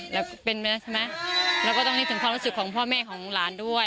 แล้วก็ต้องนิดนึกถึงความรู้สึกของพ่อแม่ของหลานด้วย